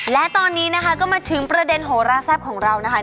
และตอนนี้นะคะก็มาถึงประเด็นโหราแซ่บของเรานะคะ